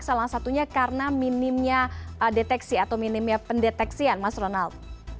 salah satunya karena minimnya deteksi atau minimnya pendeteksian mas ronald